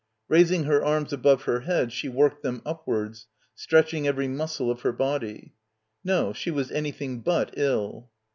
Raising her arms above her head she worked them upwards, stretching every muscle of her body. No, she was anything but ill.